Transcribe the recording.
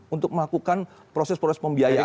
untuk melakukan proses proses pembiayaan